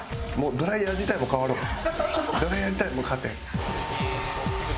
ドライヤー自体も代わって。